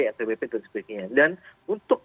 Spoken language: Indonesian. apbp dan sebagainya dan untuk